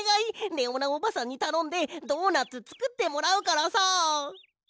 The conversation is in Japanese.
レオーナおばさんにたのんでドーナツつくってもらうからさ。